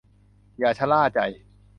อย่าชะล่าใจ